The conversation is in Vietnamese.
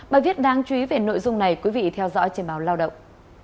bài viết đáng chú ý về nội dung này quý vị theo dõi trên báo lao động